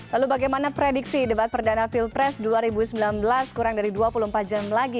lalu bagaimana prediksi debat perdana pilpres dua ribu sembilan belas kurang dari dua puluh empat jam lagi